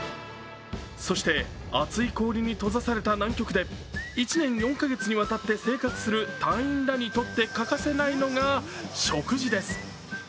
そして厚い氷に閉ざされた南極で１年４か月にわたって生活する隊員らにとって欠かせないのが食事です。